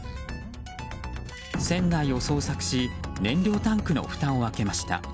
船内を捜索し燃料タンクのふたを開けました。